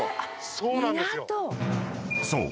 ［そう。